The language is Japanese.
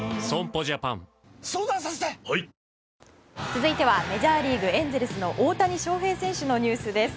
続いてはメジャーリーグ、エンゼルスの大谷翔平選手のニュースです。